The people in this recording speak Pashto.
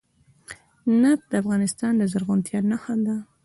نفت د افغانستان د زرغونتیا نښه ده.